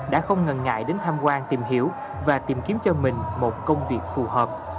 đã không ngần ngại đến tham quan tìm hiểu và tìm kiếm cho mình một công việc phù hợp